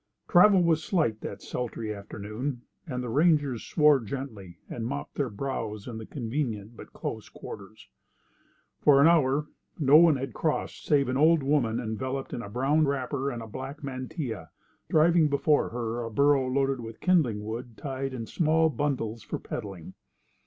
Travel was slight that sultry afternoon, and the rangers swore gently, and mopped their brows in their convenient but close quarters. For an hour no one had crossed save an old woman enveloped in a brown wrapper and a black mantilla, driving before her a burro loaded with kindling wood tied in small bundles for peddling.